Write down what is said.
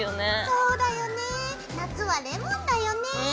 そうだよね夏はレモンだよね。